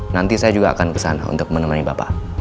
nanti saya juga akan ke sana untuk menemani bapak